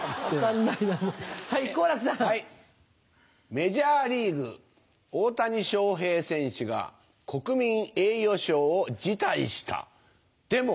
メジャーリーグ大谷翔平選手が国民栄誉賞を辞退したでも。